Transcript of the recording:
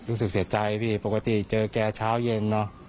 รู้สึกเสียใจพี่ปกติเจอแกเช้าเย็นเนอะ